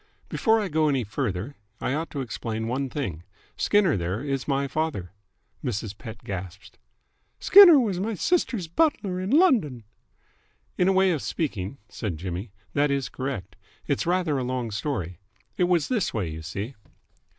"Before I go any further, I ought to explain one thing. Skinner there is my father." Mrs. Pett gasped. "Skinner was my sister's butler in London." "In a way of speaking," said Jimmy, "that is correct. It's rather a long story. It was this way, you see.